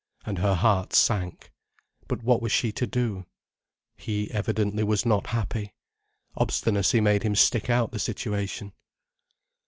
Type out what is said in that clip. And her heart sank. But what was she to do? He evidently was not happy. Obstinacy made him stick out the situation.